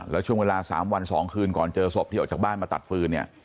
แล้วช่วงเวลา๓วัน๒คืนก่อนเจอศพที่ออกจากบ้านมาตัดฟืนเนี่ย